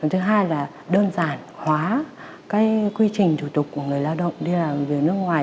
thứ hai là đơn giản hóa quy trình thủ tục của người lao động đi làm việc ở nước ngoài